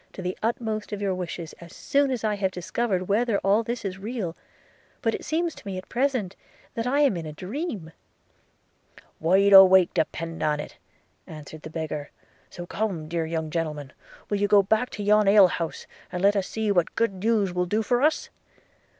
to the utmost of your wishes, as soon as I have discovered whether all this is real; but it seems to me at present that I am in a dream.' 'Wide awake, depend upon it,' answered the beggar; – 'so come, dear young gentleman! will you go back to yon ale house, and let us see what the good news will do for us?